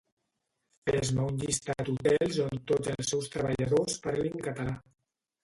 Fes-me un llistat d'hotels on tots els seus treballadors parlin català